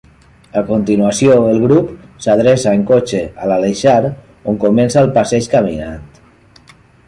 A continuació, el grup s’adreça en cotxe a l’Aleixar on comença el passeig caminant.